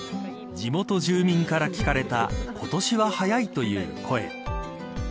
地元住民から聞かれた今年は早いという声。